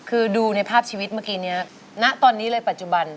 คือดูในภาพชีวิตเมื่อกี้นี้ณตอนนี้เลยปัจจุบัน